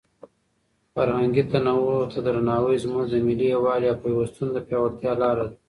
فرهنګي تنوع ته درناوی زموږ د ملي یووالي او پیوستون د پیاوړتیا لاره ده.